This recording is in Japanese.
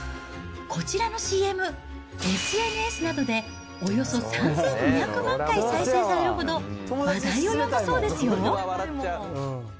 こちらのＣＭ、ＳＮＳなどでおよそ３２００万回再生されるほど、話題を呼んだそうですよ。